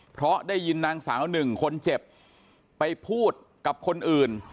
เพราะได้ยินนางสาวหนึ่งคนเจ็บไปพูดกับคนอื่น